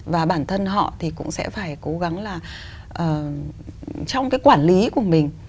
và bản thân họ thì cũng sẽ phải cố gắng là trong cái quản lý của mình